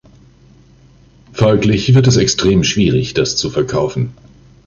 Folglich wird es extrem schwierig, das zu verkaufen.